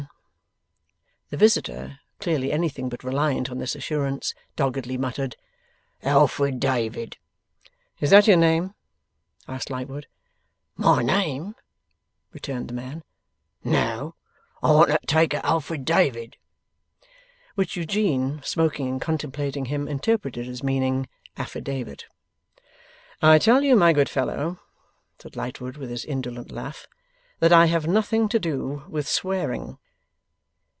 The visitor, clearly anything but reliant on this assurance, doggedly muttered 'Alfred David.' 'Is that your name?' asked Lightwood. 'My name?' returned the man. 'No; I want to take a Alfred David.' (Which Eugene, smoking and contemplating him, interpreted as meaning Affidavit.) 'I tell you, my good fellow,' said Lightwood, with his indolent laugh, 'that I have nothing to do with swearing.